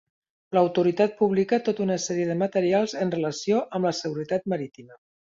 L'Autoritat publica tota una sèrie de materials en relació amb la seguretat marítima.